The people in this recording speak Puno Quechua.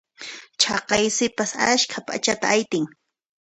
Chaqay sipas askha p'achata aytin.